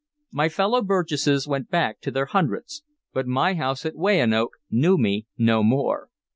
My fellow Burgesses went back to their hundreds, but my house at Weyanoke knew me no more.